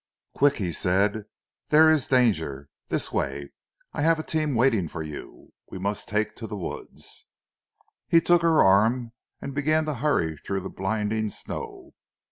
"Quick!" he said. "There is danger. This way I have a team waiting for you. We must take to the woods." He took her arm, and began to hurry through the blinding snow.